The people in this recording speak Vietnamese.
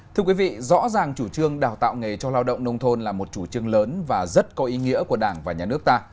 thưa quý vị rõ ràng chủ trương đào tạo nghề cho lao động nông thôn là một chủ trương lớn và rất có ý nghĩa của đảng và nhà nước ta